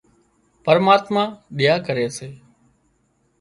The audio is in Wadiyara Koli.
پرماتما ۮيا ڪري سي